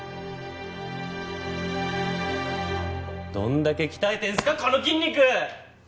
どんだけ鍛えてんすかこの筋肉！